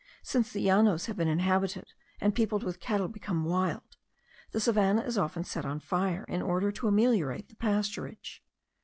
Since the Llanos have been inhabited and peopled with cattle become wild, the savannah is often set on fire, in order to ameliorate the pasturage.